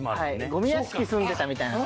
ゴミ屋敷住んでたみたいな。